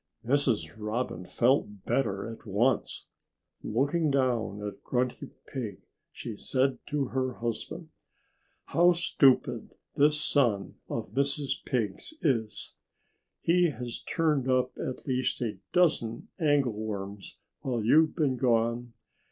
Mrs. Robin felt better at once. Looking down at Grunty Pig, she said to her husband, "How stupid this son of Mrs. Pig's is! He has turned up at least a dozen angleworms while you've been gone.